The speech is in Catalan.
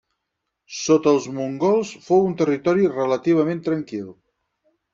Sota els mongols fou un territori relativament tranquil.